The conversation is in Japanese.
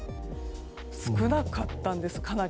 少なかったんです、かなり。